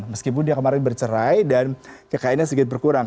meskipun dia kemarin bercerai dan kekayaannya sedikit berkurang